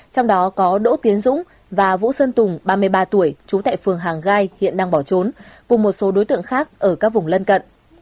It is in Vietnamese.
trong đó có đỗ tiến dũng và vũ sơn tùng ba mươi ba tuổi trú tại phường hàng gai hiện đang bỏ trốn cùng một số đối tượng khác ở các vùng lân cận